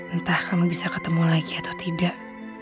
entah kamu bisa ketemu lagi atau tidak